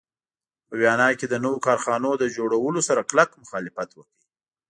په ویانا کې د نویو کارخانو له جوړولو سره کلک مخالفت وکړ.